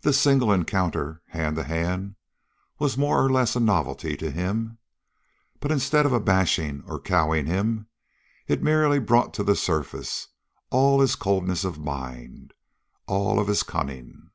This single encounter, hand to hand, was more or less of a novelty to him, but instead of abashing or cowing him, it merely brought to the surface all his coldness of mind, all of his cunning.